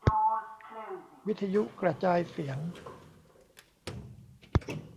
วิทยุกระจายเสียง